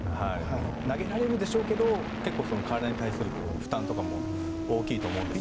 投げられるでしょうけど結構、体に対する負担とかも大きいと思うんですね。